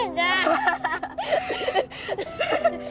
アハハハ